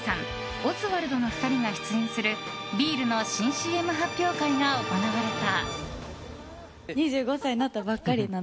オズワルドの２人が出演するビールの新ＣＭ発表会が行われた。